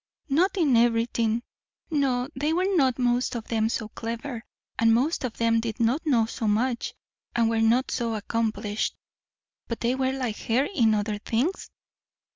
"Not in everything. No, they were not most of them so clever, and most of them did not know so much, and were not so accomplished." "But they were like her in other things?"